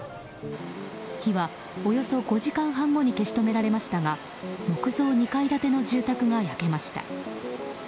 火はおよそ５時間半後に消し止められましたが木造２階建ての住宅が焼けました。